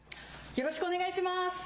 よろしくお願いします。